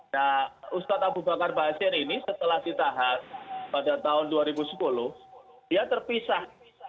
nah ustaz abu bakar basir ini setelah ditahap pada tahun dua ribu sepuluh dia terpisah